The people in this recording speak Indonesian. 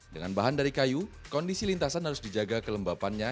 dengan bahan dari kayu kondisi lintasan harus dijaga kelembapannya